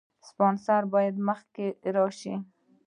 سپانسران باید مخکې راشي.